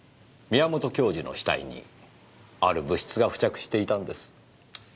宮本教授の死体にある物質が付着していたんです。